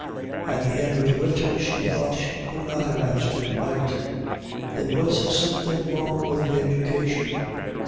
At the end of the winter she thought she could not have answered it right. There was something wrong with education.